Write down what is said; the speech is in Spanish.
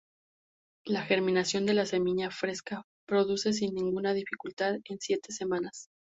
La germinación de la semilla fresca se produce sin ninguna dificultad en siete semanas.